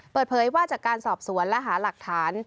เปิดเผยว่าจากการสอบสวนและหาหลักฐาน